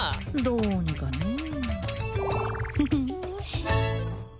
どうにかねえ